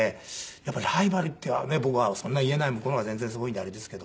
やっぱりライバルっていうのは僕はそんな言えない向こうの方が全然すごいんであれですけど。